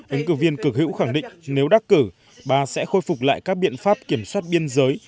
ứng cử viên cực hữu khẳng định nếu đắc cử bà sẽ khôi phục lại các biện pháp kiểm soát biên giới